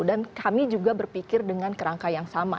dan kami juga berpikir dengan kerangka yang sama